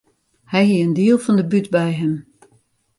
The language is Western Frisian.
Hy hie in diel fan de bút by him.